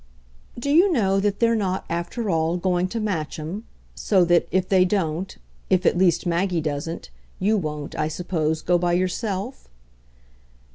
"Do you know that they're not, after all, going to Matcham; so that, if they don't if, at least, Maggie doesn't you won't, I suppose, go by yourself?"